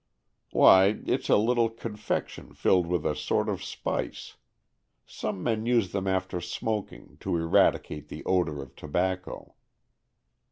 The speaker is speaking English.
"Why, it's a little confection filled with a sort of spice. Some men use them after smoking, to eradicate the odor of tobacco."